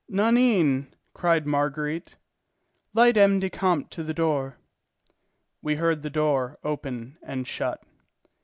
"Nanine!" cried Marguerite. "Light M. le Comte to the door." We heard the door open and shut.